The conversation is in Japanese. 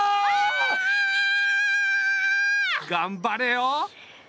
がんばれよ。